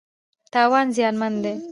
تاوان زیانمن دی.